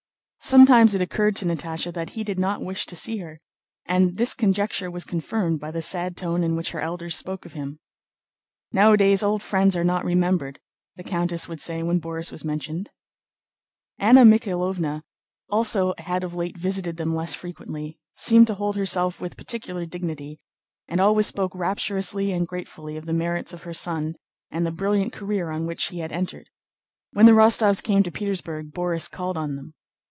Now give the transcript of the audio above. Sometimes it occurred to Natásha that he did not wish to see her, and this conjecture was confirmed by the sad tone in which her elders spoke of him. "Nowadays old friends are not remembered," the countess would say when Borís was mentioned. Anna Mikháylovna also had of late visited them less frequently, seemed to hold herself with particular dignity, and always spoke rapturously and gratefully of the merits of her son and the brilliant career on which he had entered. When the Rostóvs came to Petersburg Borís called on them.